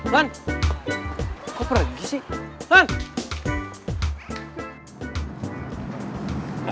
lan kok pergi sih lan